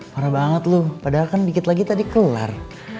parah banget lo padahal kan dikit lagi tadi kelar